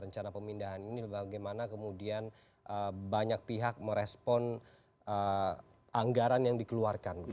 rencana pemindahan ini bagaimana kemudian banyak pihak merespon anggaran yang dikeluarkan